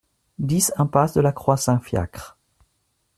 dix impasse de la Croix Saint-Fiacre